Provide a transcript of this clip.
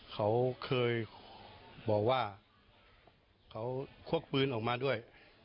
เขาเคยบอกว่าเขาควกปืนออกมาด้วย